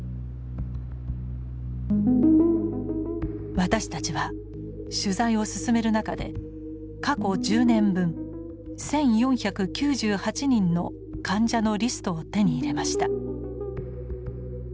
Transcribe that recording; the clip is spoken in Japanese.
私たちは取材を進める中で過去１０年分１，４９８人の患者のリストを手に入れました。